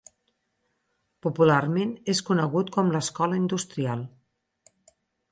Popularment és conegut com l'Escola Industrial.